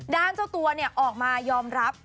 ด้านเจ้าตัวเนี่ยออกมายอมรับ